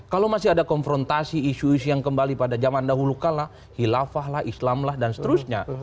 kalau masih ada konfrontasi isu isu yang kembali pada zaman dahulu kalah hilafah lah islam lah dan seterusnya